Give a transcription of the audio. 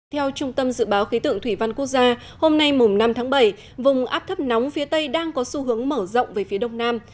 theo trung tâm dự báo khí tượng thủy văn quốc gia hôm nay năm tháng bảy vùng áp thấp nóng phía tây đang có xu hướng mở rộng về phía đông nam